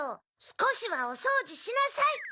すこしはおそうじしなさい！